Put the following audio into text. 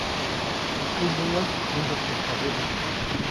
Teʼ kunyäʼway mindujkyajpabäde.